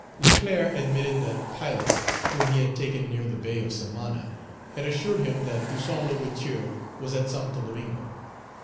Leclerc admitted that pilots, whom he had taken near the bay of Samana, had assured him that Toussaint L'Ouverture was at Santo Domingo.